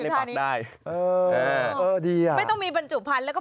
ไม่ต้องมีบรรจุพันธุ์แล้วทิ้ง